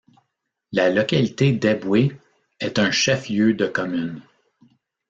La localité d'Eboué est un chef-lieu de commune.